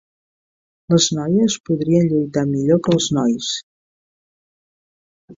Les noies podrien lluitar millor que els nois!